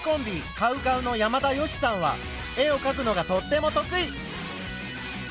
ＣＯＷＣＯＷの山田善しさんは絵をかくのがとっても得意。